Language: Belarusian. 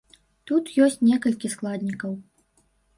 Тут ёсць некалькі складнікаў.